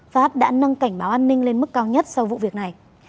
pháp đã nâng cảnh báo an ninh lên mức cao nhất sau vụ việc này